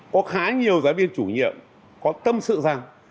có khá nhiều giáo viên chủ nhiệm có tâm sự rằng